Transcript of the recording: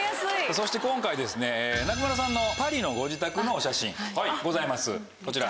そして今回中村さんのパリのご自宅のお写真ございますこちら。